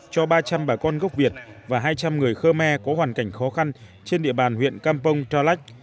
cho ba trăm linh bà con gốc việt và hai trăm linh người khơ me có hoàn cảnh khó khăn trên địa bàn huyện campong trà lách